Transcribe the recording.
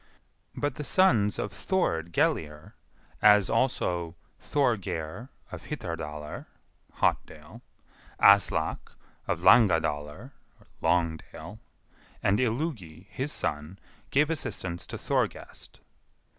But the sons of Thord Gellir, as also Thorgeir, of Hitardalr (Hotdale), Aslak, of Langadalr (Longdale), and Illugi, his son, gave assistance to Thorgest.